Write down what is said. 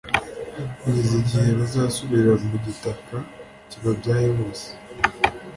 kugeza igihe bazasubirira mu gitaka kibabyaye bose